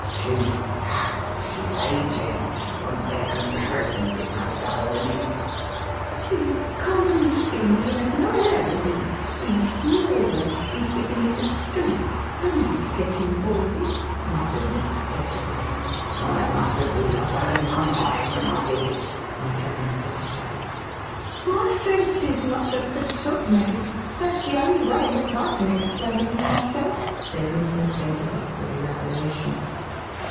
She's fat, she's ageing, she won't bear comparison with most other women." " He's common looking, he has no air with him, he's small, he's beginning to stoop, and he's getting bald," nmttnvd Mrs. Tetterby. " I must have been half out of my mind when I did it,"1 muttered Mr. Tetterby. "My senses must have forsook me. That's the only way in which I can explain it to myself," said Mrs. Tetterbv, with elaboration.